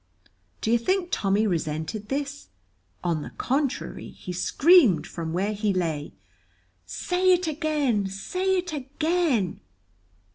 Do you think Tommy resented this? On the contrary he screamed from where he lay, "Say it again! say it again!"